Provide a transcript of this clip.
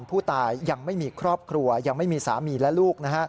ผู้ตายยังไม่มีครอบครัวยังไม่มีสามีและลูก